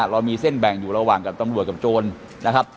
เรามีเส้นแบ่งอยู่ระหว่างกับตำรวจกับโจรนะครับ